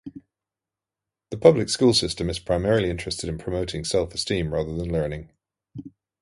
The public school system is primarily interested in promoting self-esteem rather than learning.